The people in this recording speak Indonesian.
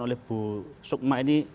oleh bu sukma ini